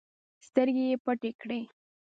سترګې يې پټې کړې.